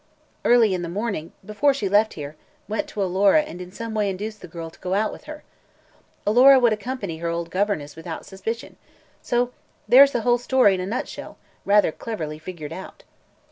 Early in the morning, before she left here, went to Alora and in some way induced the girl to go out with her. Alora would accompany her old governess without suspicion. So there's the whole story, in a nutshell, rather cleverly figured out."